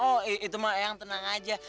oh itu mah yang tenang aja